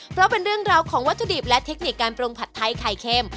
เพราะเป็นเรื่องราวของวัตถุดิบและเทคนิคการปรุงผัดไทยไข่เค็ม